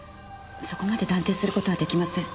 そこまで断定する事は出来ません。